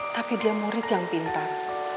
tapi dia murid yang pintar